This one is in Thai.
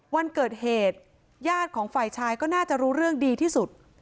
วันเกิดเหตุญาติของฝ่ายชายก็น่าจะรู้เรื่องดีที่สุด